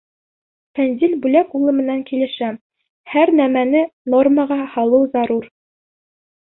— Фәнзил Бүләк улы менән килешәм: һәр нәмәне нормаға һалыу зарур.